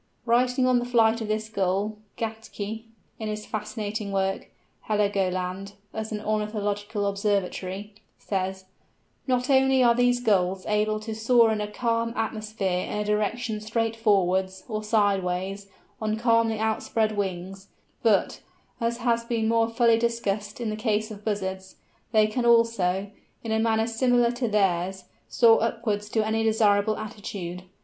Writing on the flight of this Gull, Gätke (in his fascinating work, Heligoland, as an Ornithological Observatory) says: "Not only are these Gulls able to soar in a calm atmosphere in a direction straight forwards, or sideways, on calmly outspread wings, but, as has been more fully discussed in the case of Buzzards, they can also, in a manner similar to theirs, soar upwards to any desirable altitude.